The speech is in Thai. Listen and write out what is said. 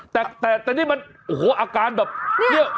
แต่นี่มันโอ้โหอาการแบบเนี่ย